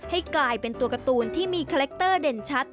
ให้กลายเป็นตัวการ์ตูนที่มีคาแรคเตอร์เด่นชัด